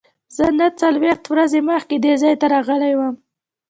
زه نهه څلوېښت ورځې مخکې دې ځای ته راغلی وم.